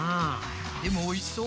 でもおいしそう。